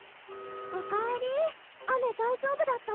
おかえり雨大丈夫だった？